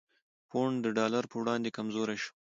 پونډ د ډالر په وړاندې کمزوری شو؛